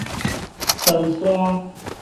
倉山